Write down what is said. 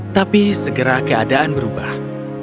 tapi segera keadaan berubah